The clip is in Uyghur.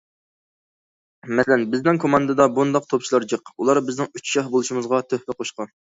مەسىلەن، بىزنىڭ كوماندىدا بۇنداق توپچىلار جىق، ئۇلار بىزنىڭ ئۈچ شاھ بولۇشىمىزغا تۆھپە قوشقان.